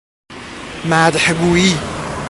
مدح گوئی